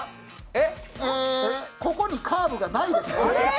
え、ここにカーブがないですね。